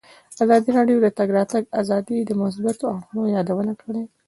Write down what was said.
ازادي راډیو د د تګ راتګ ازادي د مثبتو اړخونو یادونه کړې.